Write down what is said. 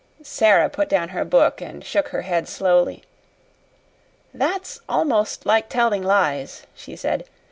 Sara put down her book and shook her head slowly. "That's almost like telling lies," she said.